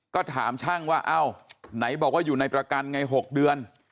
ก็ถามช่างว่าเอ้าไหนบอกว่าอยู่ในประกันไง๖เดือน